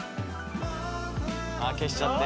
ああ消しちゃって。